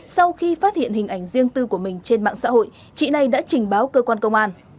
sau khi phát hiện hình ảnh riêng tư của mình trên mạng xã hội chị này đã trình báo cơ quan công an